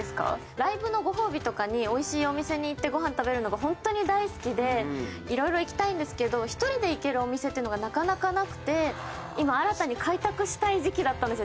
ライブのご褒美とかに美味しいお店に行ってご飯食べるのがホントに大好きで色々行きたいんですけど１人で行けるお店っていうのがなかなかなくて今新たに開拓したい時期だったんですよ